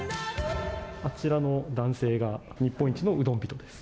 あちらの男性が日本一のうどん人です。